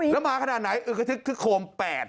แล้วมาขนาดไหนก็คือโคม๘